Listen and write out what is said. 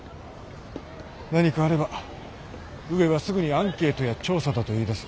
何かあれば上はすぐにアンケートや調査だと言いだす。